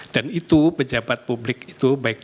dan itu pejabat publik itu baiknya